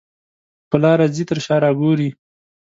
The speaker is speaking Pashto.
په لاره ځې تر شا را ګورې.